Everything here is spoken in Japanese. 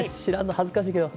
恥ずかしいけど。